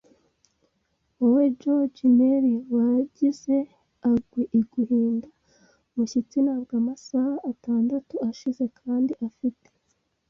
wowe, George Merry, wagize ague iguhinda umushyitsi ntabwo amasaha atandatu ashize, kandi afite